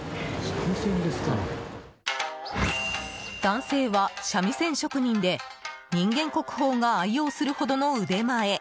男性は三味線職人で人間国宝が愛用するほどの腕前。